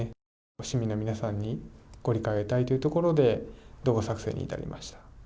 市民の皆さんにご理解を得たいというところで、動画作成に至りま